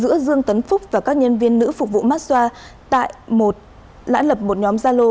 giữa dương tấn phúc và các nhân viên nữ phục vụ massa tại một lã lập một nhóm gia lô